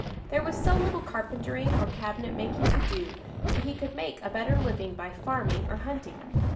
There was so little carpentering or cabinet making to do that he could make a better living by farming or hunting.